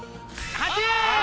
８位！